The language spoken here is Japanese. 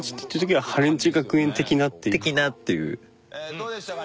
どうでしたか？